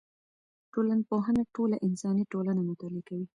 ټولنپوهنه ټوله انساني ټولنه مطالعه کوي.